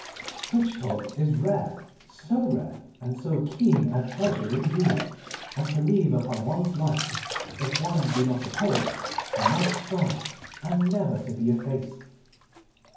Such talk is rare: so rare and so keen a pleasure, indeed, as to leave upon one's life, if one be not a poet, a mark strong and never to be effaced.